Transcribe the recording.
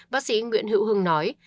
bác sĩ nguyễn hữu hưng nói